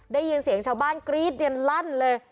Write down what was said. ได้ยินเสียงชาวบ้านกรี๊ดเรียนลั่นเลย